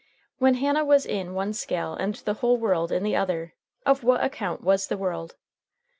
When Hannah was in one scale and the whole world in the other, of what account was the world?